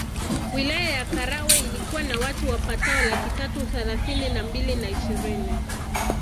Wilaya ya Karagwe ilikuwa na watu wapatao laki tatu thelathini na mbili na ishirini